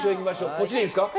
こっちでいいんですか？